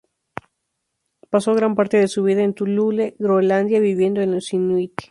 Pasó gran parte de su vida en Thule, Groenlandia, viviendo con los inuit.